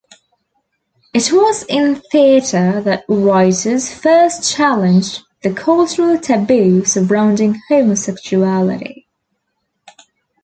It was in theatre that writers first challenged the cultural taboo surrounding homosexuality.